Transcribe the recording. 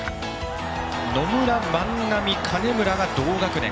野村、万波、金村が同学年。